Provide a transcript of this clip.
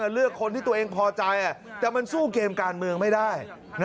เลือกคนที่ตัวเองพอใจแต่มันสู้เกมการเมืองไม่ได้